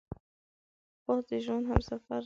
باد د ژوند همسفر دی